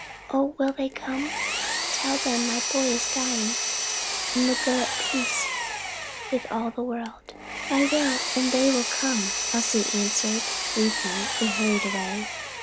Oh, will they come? Tell them my boy is dying and would go at peace with all the world." "I will; and they will come," Elsie answered, weeping, and hurried away.